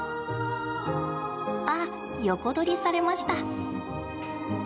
あ、横取りされました。